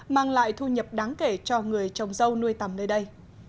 mang lại thu nhập đáng kể cho người trồng dâu nuôi tầm nơi đây